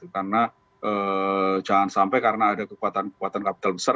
karena jangan sampai karena ada kekuatan kekuatan kapital besar